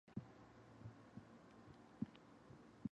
The film was selected for many international film festivals.